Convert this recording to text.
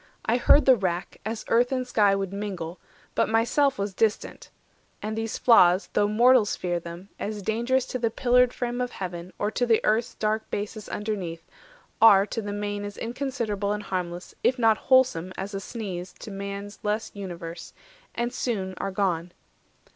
I heard the wrack, As earth and sky would mingle; but myself Was distant; and these flaws, though mortals fear them, As dangerous to the pillared frame of Heaven, Or to the Earth's dark basis underneath, Are to the main as inconsiderable And harmless, if not wholesome, as a sneeze To man's less universe, and soon are gone.